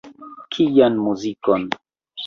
Kian muzikon?